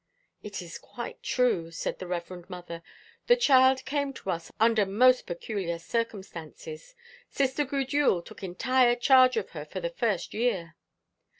"It is quite true," said the Reverend Mother. "The child came to us under most peculiar circumstances. Sister Gudule took entire charge of her for the first year."